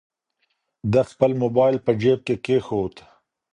ده خپل موبایل په جیب کې کېښود.